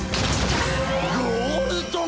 「ゴールドン！